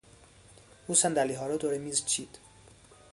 او صندلیها را دور میز چید.